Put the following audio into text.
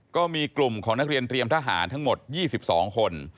ก็มีกลุ่มของนักเรียนเตรียมทหารทั้งหมด๒๒คน